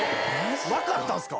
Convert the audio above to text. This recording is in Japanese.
⁉分かったんすか！